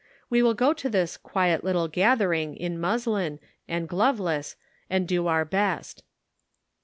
We will go to this 'quiet little gathering' in muslin, and gloveless, and do our best."